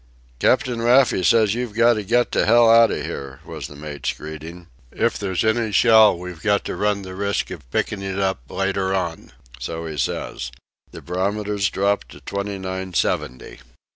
"Captain Raffy says you've got to get to hell outa here," was the mate's greeting. "If there's any shell, we've got to run the risk of picking it up later on so he says. The barometer's dropped to twenty nine seventy."